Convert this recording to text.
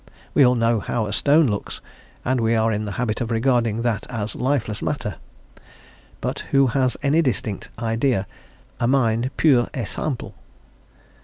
We all know how a stone looks, and we are in the habit of regarding that as lifeless matter; but who has any distinct idea of a mind _pur et simple?